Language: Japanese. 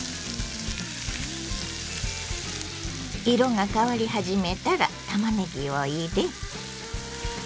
色が変わり始めたらたまねぎを入れ。